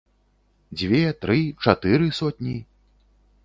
Дзве, тры, чатыры сотні?